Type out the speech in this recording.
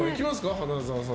花澤さん